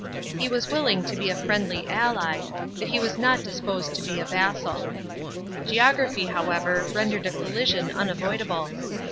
He was willing to be a friendly ally, but he was not disposed to be a vassal. Geography, however, rendered a collision unavoidable.